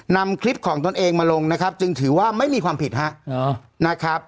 นำคลิปของตนเองมาลงนะครับจึงถือว่าไม่มีความผิดฮะนะครับ